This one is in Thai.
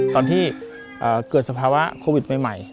ตอนที่เกิดสภาวะโควิดใหม่